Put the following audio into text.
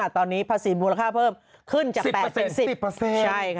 ตอนนี้ภาษีมูลค่าเพิ่มขึ้นจาก๘๐